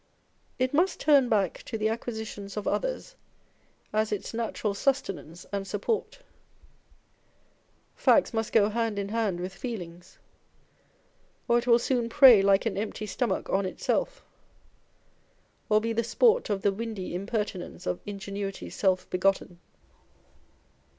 It must turn back to the acquisitions of others as its natural sustenance and support ; facts must go hand in hand with feelings, or it will soon prey like an empty stomach on itself, or be the sport of the windy imper tinence of ingenuity self begotten.